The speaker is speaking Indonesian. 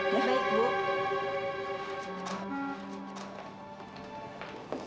ya baik bu